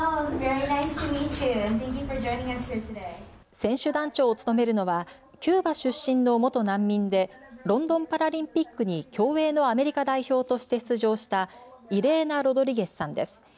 選手団長を務めるのはキューバ出身の元難民でロンドンパラリンピックに競泳のアメリカ代表として出場したイレーナ・ロドリゲスさんです。